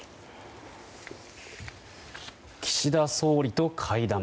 岸田総理と会談。